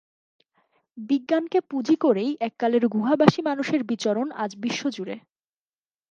বিজ্ঞানকে পুঁজি করেই এককালের গুহাবাসী মানুষের বিচরণ আজ বিশ্বজুড়ে।